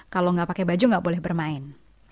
kalau gak pakai baju gak boleh bermain